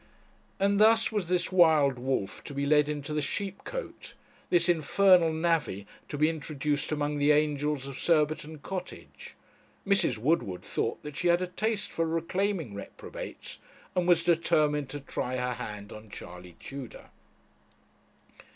And thus was this wild wolf to be led into the sheep cote; this infernal navvy to be introduced among the angels of Surbiton Cottage. Mrs. Woodward thought that she had a taste for reclaiming reprobates, and was determined to try her hand on Charley Tudor.